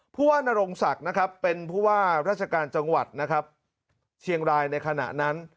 ผู้ว่านรงศักดิ์นะครับเป็นผู้ว่าราชการจังหวัดนะครับเชียงรายในขณะนั้น